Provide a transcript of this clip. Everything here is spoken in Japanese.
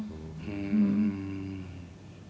うん。